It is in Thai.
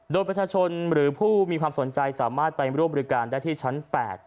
โดยประชาชนหรือผู้มีความสนใจสามารถไปร่วมบริการได้ที่ชั้น๘